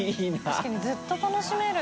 確かにずっと楽しめる。